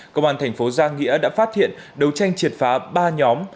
công an thành phố giang nghĩa đã phát hiện đấu tranh triệt phá ba nhóm